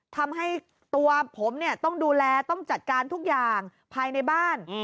ทำให้ตัวผมเนี่ยต้องดูแลต้องจัดการทุกอย่างภายในบ้าน